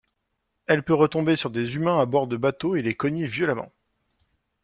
Elle peut retomber sur des humains à bord de bateaux et les cogner violemment.